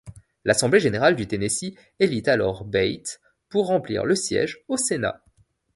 L'assemblée générale du Tennessee élit alors Bate pour remplir le siège au Sénat.